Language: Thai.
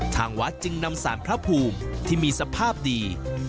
ทางวัดจึงนำสารพระภูมิที่มีสภาพดี